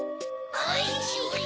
おいしい。